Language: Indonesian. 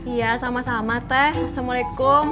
iya sama sama teh assalamualaikum